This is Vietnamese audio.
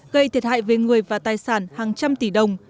gây thiệt hại về người và tài sản hàng trăm tỷ đồng